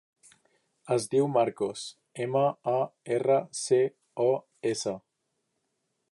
Es diu Marcos: ema, a, erra, ce, o, essa.